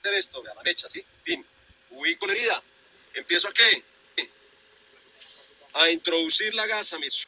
Ella misma ha participado e incluso ganado en esta carrera.